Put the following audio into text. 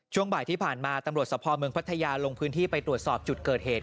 ช่วงบ่ายที่ผ่านมาตำรวจสภเมืองพัทยาลงพื้นที่ไปตรวจสอบจุดเกิดเหตุ